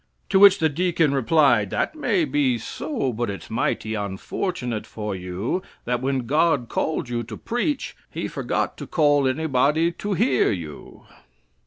To which the deacon replied, "That may be so, but it's mighty unfortunate for you that when God called you to preach, He forgot to call anybody to hear you."